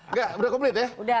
nggak sudah komplit ya